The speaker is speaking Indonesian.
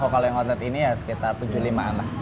kalau yang outlet ini ya sekitar tujuh puluh lima an lah